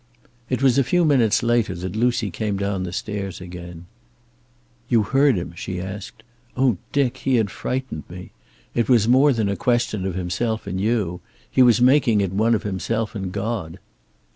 It was a few minutes later that Lucy came down the stairs again. "You heard him?" she asked. "Oh, Dick, he had frightened me. It was more than a question of himself and you. He was making it one of himself and God."